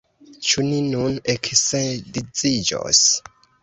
Ĉu ni nun eksedziĝos!